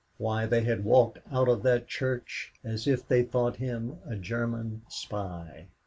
Why, they had walked out of that church as if they thought him a German spy.